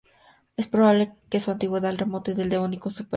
Es probable que su antigüedad se remonte al Devónico Superior.